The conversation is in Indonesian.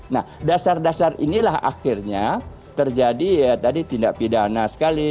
nah dasar dasar inilah akhirnya terjadi tindak pidana sekali